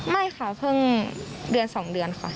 ไม่ค่ะเพิ่งเดือน๒เดือนค่ะ